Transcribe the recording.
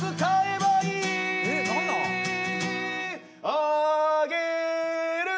「あげる」